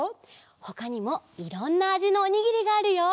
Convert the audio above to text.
ほかにもいろんなあじのおにぎりがあるよ！